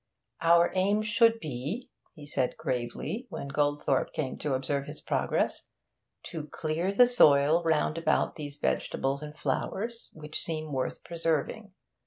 'Our aim should be,' he said gravely, when Goldthorpe came to observe his progress, 'to clear the soil round about those vegetables and flowers which seem worth preserving.